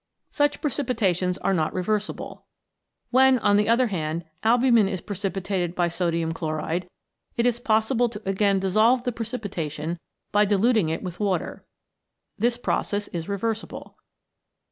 Such precipitations are not reversible. When, on the other hand, albumin is precipitated by sodium chloride, it is possible to again dissolve the precipitation by diluting it with water. This process is reversible.